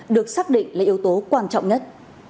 được xác định là yếu tố quan trọng nhất